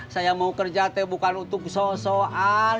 saya mau kerja bukan untuk sosokan